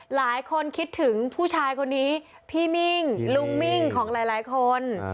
หลายคนคิดถึงผู้ชายคนนี้พี่มิ่งลุงมิ่งของหลายคน